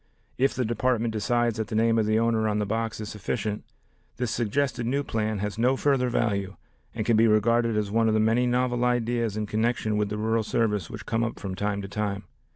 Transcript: If the Department decides that the name of the owner on the box is sufficient, this suggested new plan has no further value and can be regarded as one of the many novel ideas in connection with the rural service which come up from time to time.